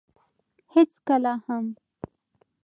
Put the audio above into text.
هېڅکله هم.